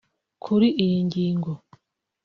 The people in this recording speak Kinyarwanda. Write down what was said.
Kuri iyi ngingo